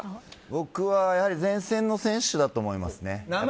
僕は、やはり前線の選手だと思います。